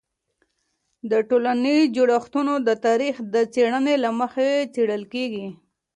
د ټولنیز جوړښتونه د تاریخ د څیړنو له مخې څیړل کېږي.